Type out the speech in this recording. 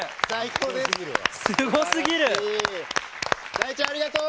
大ちゃんありがとう！